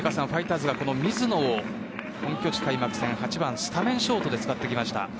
ファイターズが水野を本拠地開幕戦、８番スタメンショートで使ってきました。